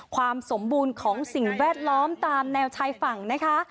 ความสมบูรณ์ของสิ่งแวดล้อมตามแนวชายฝั่งนะคะ